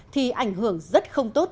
thì ảnh hưởng rất không tốt